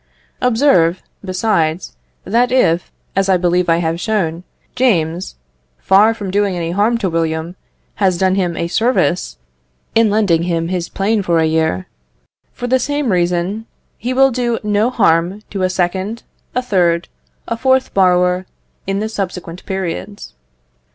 Observe, besides, that if, as I believe I have shown, James, far from doing any harm to William, has done him a service in lending him his plane for a year; for the same reason, he will do no harm to a second, a third, a fourth borrower, in the subsequent periods.